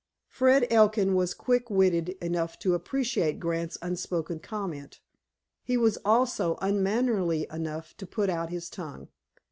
Fred Elkin was quick witted enough to appreciate Grant's unspoken comment. He was also unmannerly enough to put out his tongue.